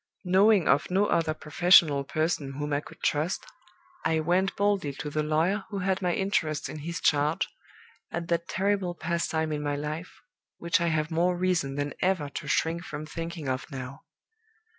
"Knowing of no other professional person whom I could trust, I went boldly to the lawyer who had my interests in his charge, at that terrible past time in my life, which I have more reason than ever to shrink from thinking of now.